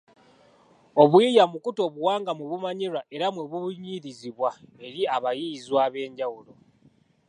Obuyiiya mukutu obuwangwa mwe bumanyirwa era mwe bubunyirizibwa eri abayiiyizwa ab’enjawulo.